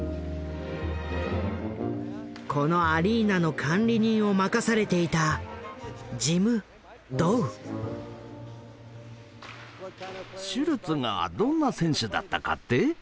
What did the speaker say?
このアリーナの管理人を任されていたシュルツがどんな選手だったかって？